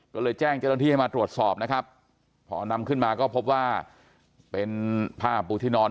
ก็เลยแจ้งเจ้าหน้าที่ให้มาตรวจสอบนะครับพอนำขึ้นมาก็พบว่าเป็นผ้าปูที่นอน